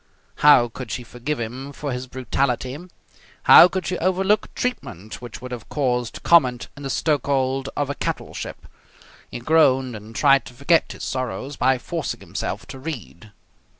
How could she forgive him for his brutality? How could she overlook treatment which would have caused comment in the stokehold of a cattle ship? He groaned and tried to forget his sorrows by forcing himself to read.